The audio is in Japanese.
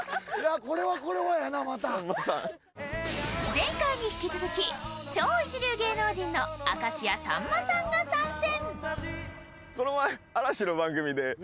前回に引き続き、超一流芸能人の明石家さんまさんが参戦。